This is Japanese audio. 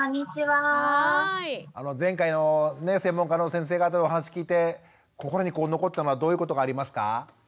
前回のね専門家の先生方のお話聞いて心に残ったのはどういうことがありますか？